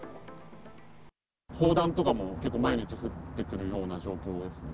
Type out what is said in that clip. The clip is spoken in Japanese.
砲弾とかも結構毎日、降ってくるような状況ですね。